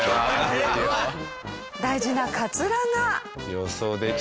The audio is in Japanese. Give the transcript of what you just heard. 大事なカツラが。